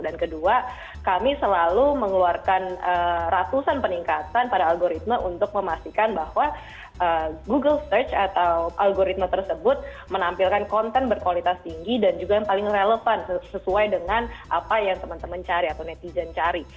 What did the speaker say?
dan kedua kami selalu mengeluarkan ratusan peningkatan pada algoritma untuk memastikan bahwa google search atau algoritma tersebut menampilkan konten berkualitas tinggi dan juga yang paling relevan sesuai dengan apa yang teman teman cari atau netizen cari